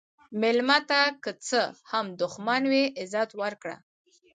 مېلمه ته که څه هم دښمن وي، عزت ورکړه.